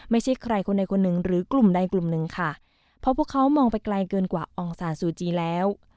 ไม่ใช่ใครคนใดคนหนึ่งหรือกลุ่มใดกลุ่มหนึ่งค่ะเพราะพวกเขามองไปไกลเกินกว่าองศาลซูจีแล้ว